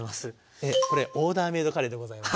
これ「オーダーメードカレー」でございます。